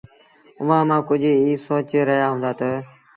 اُئآݩٚ مآݩٚ ڪجھ ايٚ سوچي رهيآ هُݩدآ تا